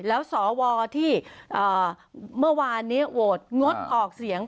แล้วสวที่เมื่อวานนี้โหวตงดออกเสียง